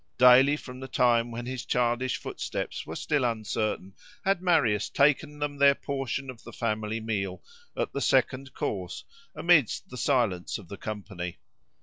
Daily, from the time when his childish footsteps were still uncertain, had Marius taken them their portion of the family meal, at the second course, amidst the silence of the company.